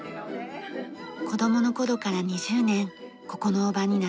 子供の頃から２０年ここのおばに習いました。